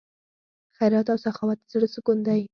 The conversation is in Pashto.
خیرات او سخاوت د زړه سکون دی.